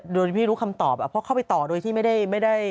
โดยไม่รู้คำตอบเพราะเข้าไปต่อโดยที่ไม่ได้ไม่ได้